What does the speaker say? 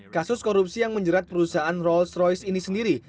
kasus korupsi yang menjerat perusahaan rolls royce ini sendiri